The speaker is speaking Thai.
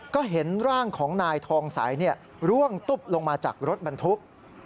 ก็เห็นร่างของนายทองใสร่วงตุ๊บลงมาจากรถบรรทุก